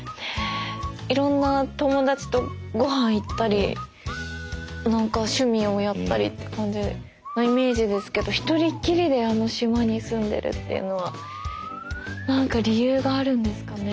いろんな友達とごはん行ったり何か趣味をやったりって感じのイメージですけど１人っきりであの島に住んでるっていうのは何か理由があるんですかね？